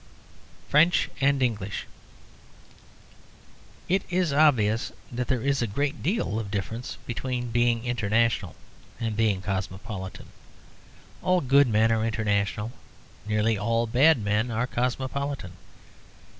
FRENCH AND ENGLISH It is obvious that there is a great deal of difference between being international and being cosmopolitan. All good men are international. Nearly all bad men are cosmopolitan.